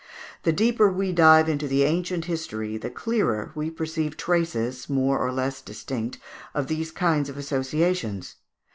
The deeper we dive into ancient history the clearer we perceive traces, more or less distinct, of these kinds of associations.